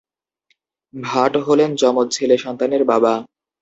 ভাট হলেন যমজ ছেলে সন্তানের বাবা।